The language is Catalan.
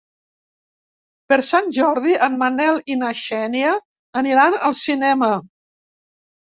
Per Sant Jordi en Manel i na Xènia aniran al cinema.